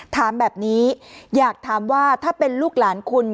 ถามแบบนี้อยากถามว่าถ้าเป็นลูกหลานคุณ